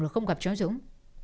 là không gặp cháu dũng